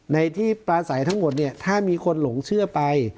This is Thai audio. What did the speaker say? ในที่ปลาใสทั้งหมดเนี่ยถ้ามีคนหลงเชื่อไป